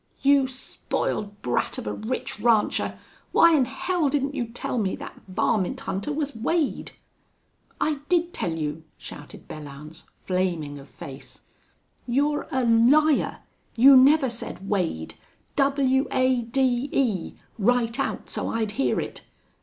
"You spoiled brat of a rich rancher! Why'n hell didn't you tell me thet varmint hunter was Wade." "I did tell you," shouted Belllounds, flaming of face. "You're a liar! You never said Wade W a d e, right out, so I'd hear it.